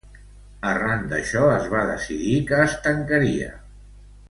Arran d’això es va decidir que es tancaria.